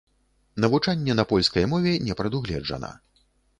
Навучанне на польскай мове не прадугледжана.